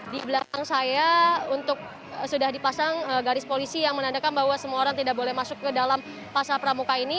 di belakang saya untuk sudah dipasang garis polisi yang menandakan bahwa semua orang tidak boleh masuk ke dalam pasar pramuka ini